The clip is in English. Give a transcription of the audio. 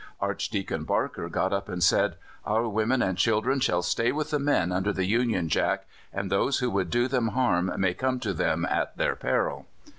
Archdeacon Barker got up, and said: "Our women and children shall stay with the men under the Union Jack, and those who would do them harm may come to them at their peril."